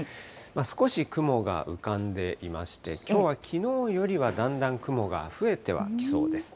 少し雲が浮かんでいまして、きょうはきのうよりはだんだん雲が増えてはきそうです。